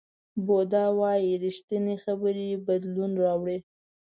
بودا وایي ریښتینې خبرې بدلون راوړي.